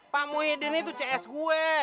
pak muhyiddin itu cs gue